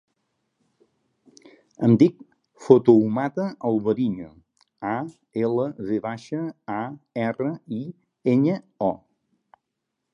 Em dic Fatoumata Alvariño: a, ela, ve baixa, a, erra, i, enya, o.